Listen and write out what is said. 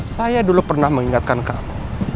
saya dulu pernah mengingatkan kamu